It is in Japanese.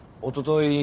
おととい